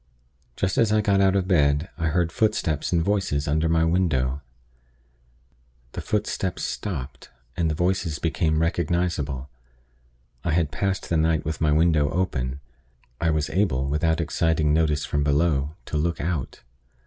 Just as I got out of bed, I heard footsteps and voices under my window. The footsteps stopped, and the voices became recognizable. I had passed the night with my window open; I was able, without exciting notice from below, to look out.